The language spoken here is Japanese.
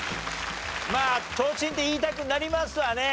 まあちょうちんって言いたくなりますわね。